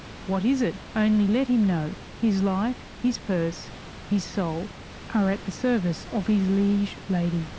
What is it? Only let him know his life, his purse, his soul, are at the service of his liege lady.